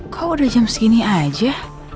kau udah jam segini aja